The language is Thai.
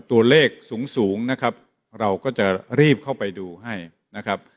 ตัวเลขสูงสูงนะครับเราก็จะรีบเข้าไปดูให้นะครับ